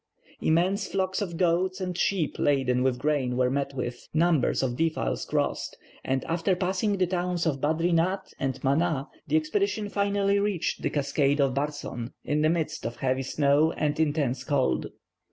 Immense flocks of goats and sheep laden with grain were met with, numbers of defiles crossed, and after passing the towns of Badrinath and Manah the expedition finally reached the cascade of Barson, in the midst of heavy snow and intense cold.